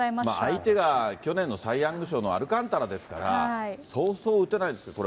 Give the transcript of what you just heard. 相手が去年のサイ・ヤング賞のアルカンタラですから、そうそう打てないですよ。